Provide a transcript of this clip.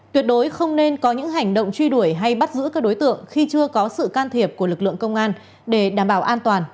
tuyệt đối không nên có những hành động truy đuổi hay bắt giữ các đối tượng khi chưa có sự can thiệp của lực lượng công an để đảm bảo an toàn